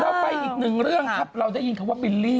เราไปอีกหนึ่งเรื่องครับเราได้ยินคำว่าบิลลี่